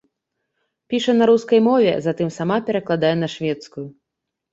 Піша на рускай мове, затым сама перакладае на шведскую.